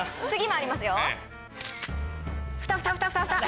次もありますよ。